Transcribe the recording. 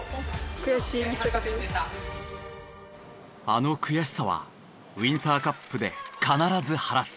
あの悔しさはウインターカップで必ず晴らす。